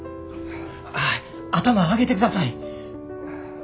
頭上げてください。